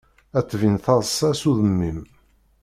Ad tbin taḍsa s udem-im.